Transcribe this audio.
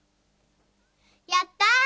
やった！